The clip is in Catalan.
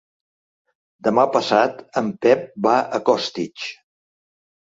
Demà passat en Pep va a Costitx.